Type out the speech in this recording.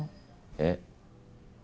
えっ？